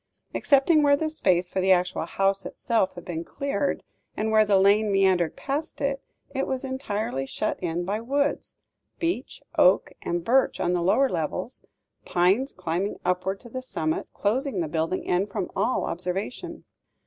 Excepting where the space for the actual house itself had been cleared, and where the lane meandered past it, it was entirely shut in by woods beech, oak, and birch on the lower levels, pines climbing upward to the summit, closing the building in from all observation.